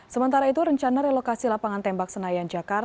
sementara itu rencana relokasi lapangan tembak senayan jakarta